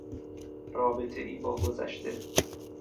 رابطهای با گذشته